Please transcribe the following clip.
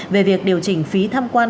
về việc điều chỉnh phí thăm quan